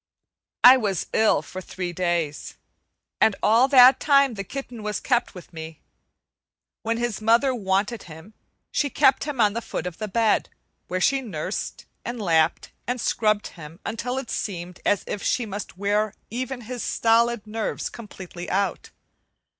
I was ill for three days, and all that time the kitten was kept with me. When his mother wanted him, she kept him on the foot of the bed, where she nursed, and lapped, and scrubbed him until it seemed as if she must wear even his stolid nerves completely out.